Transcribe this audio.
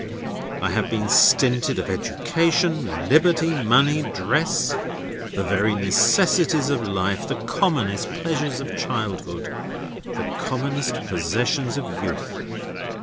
I have been stinted of education, liberty, money, dress, the very necessaries of life, the commonest pleasures of childhood, the commonest possessions of youth.